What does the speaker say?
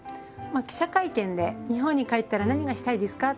記者会見で日本に帰ったら何がしたいですか？